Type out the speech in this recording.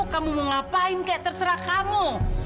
kamu mau ngapain kayak terserah kamu